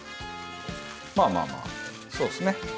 まあまあまあそうですね。